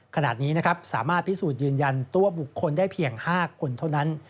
ขณะนี้นะครับสามารถพิสูจน์ยืนยันตัวบุคคลได้เพียง๕คนเท่านั้น